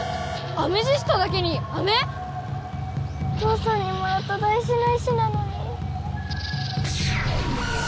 アメジストだけにあめ⁉父さんにもらっただいじな石なのに。